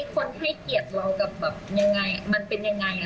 คนให้เกียรติเรากับมันเป็นอย่างไรอะไรอย่างนี้ค่ะ